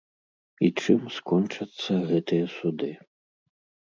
І чым скончацца гэтыя суды?